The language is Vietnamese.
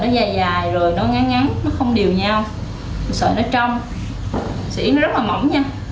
nó dai dai có mùi tanh đặc trưng